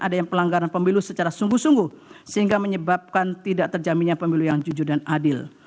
ada yang pelanggaran pemilu secara sungguh sungguh sehingga menyebabkan tidak terjaminnya pemilu yang jujur dan adil